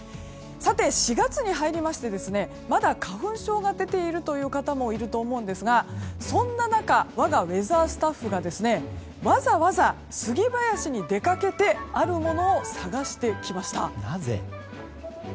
さて、４月に入りましてまだ花粉症が出ている方もいると思うんですが、そんな中我がウェザースタッフがわざわざ、スギ林に出かけてあるものを探してきました。